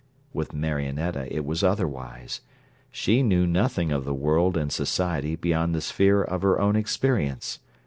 With Marionetta it was otherwise: she knew nothing of the world and society beyond the sphere of her own experience.